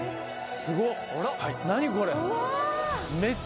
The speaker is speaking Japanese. すごっ。